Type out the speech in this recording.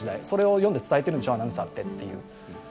「それを読んで伝えてるんでしょアナウンサーって」っていう。